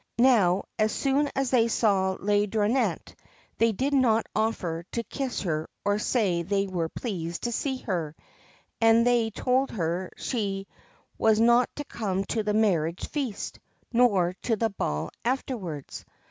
Now as soon as they saw Laideronnette, they did not offer to kiss her or say they were pleased to see her ; and they told her she was not to come to the marriage feast, nor to the ball afterwards.